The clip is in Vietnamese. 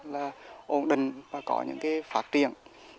là ổn định và có những phát triển